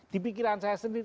di pikiran saya sendiri